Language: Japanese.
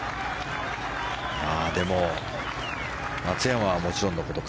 でも、松山はもちろんのこと